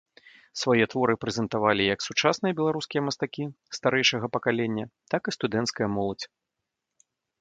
Свае творы прэзентавалі як сучасныя беларускія мастакі старэйшага пакалення, так і студэнцкая моладзь.